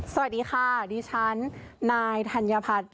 สวัสดีค่ะดิฉันนายธัญพัฒน์